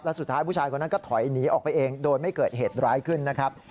สุดท้ายผู้ชายคนนั้นก็ถอยหนีออกไปเองโดยไม่เกิดเหตุร้ายขึ้นนะครับ